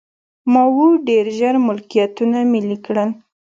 ماوو ډېر ژر ملکیتونه ملي کړل.